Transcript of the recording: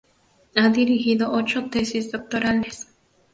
Ha dirigido ocho tesis doctorales.